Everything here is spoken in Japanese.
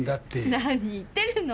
何言ってるの。